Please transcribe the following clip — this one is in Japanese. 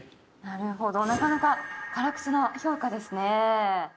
なるほどなかなか辛口の評価ですね。